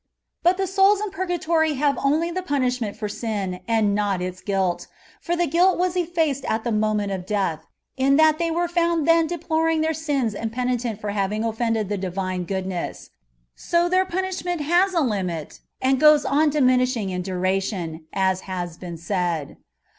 But the souls in purgatory have only the punish ment for sin, and not its guilt ; for the guilt was effaced at the moment of death, in that they were found then deploring their sins and penitent for having offended the Divine Goodness : so their punishment has a limit, and goes on diminishing in duration as has been said.